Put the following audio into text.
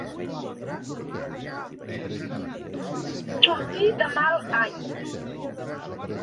Sortir de mal any.